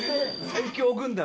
最強軍団。